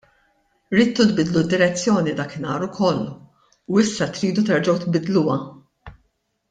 Ridtu tbiddlu d-direzzjoni dakinhar ukoll u issa tridu terġgħu tbiddluha.